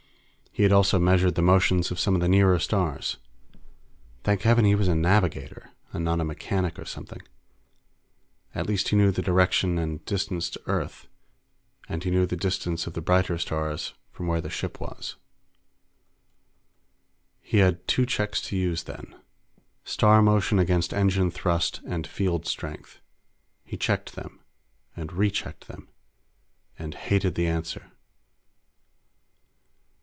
He had also measured the motions of some of the nearer stars. Thank heaven he was a navigator and not a mechanic or something! At least he knew the direction and distance to Earth, and he knew the distance of the brighter stars from where the ship was. He had two checks to use, then. Star motion against engine thrust and field strength. He checked them. And rechecked them. And hated the answer.